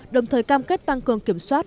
đồng thời cam kết tăng cường kiểm soát